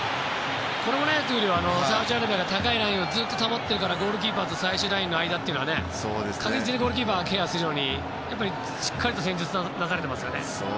これも闘莉王サウジアラビアが高いラインをずっと保っているからゴールキーパーと最終ラインの間は確実にゴールキーパーがケアするようにしっかりと戦術がなされていますよね。